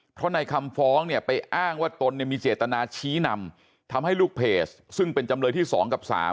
เพราะในคำฟ้องเนี่ยไปอ้างว่าตนเนี่ยมีเจตนาชี้นำทำให้ลูกเพจซึ่งเป็นจำเลยที่๒กับ๓